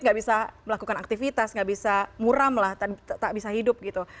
nggak bisa melakukan aktivitas nggak bisa muram lah tak bisa hidup gitu